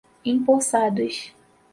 empossados